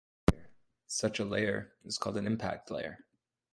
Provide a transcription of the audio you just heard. Such a layer is called an "impact layer".